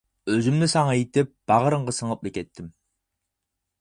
ئۆزۈمنى ساڭا ئېتىپ، باغرىڭغا سىڭىپلا كەتتىم.